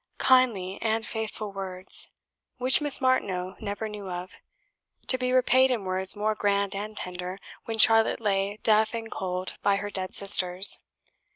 Kindly and faithful words! which Miss Martineau never knew of; to be repaid in words more grand and tender, when Charlotte lay deaf and cold by her dead sisters.